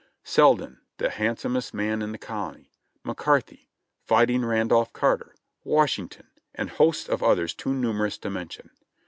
Selden, the handsomest man in the Colony. McCarthy, "Fighting Randolph Carter," Washing ton, and hosts of others too numerous to mention.